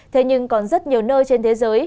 thế nhưng còn rất nhiều nơi trên thế giới